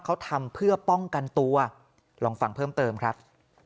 เขาทำเพื่อป้องกันตัวลองฟังเพิ่มเติมครับ